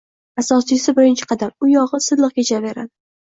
Asosiysi birinchi qadam, u yog`i silliq kechaveradi